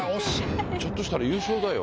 ちょっとしたら優勝だよ。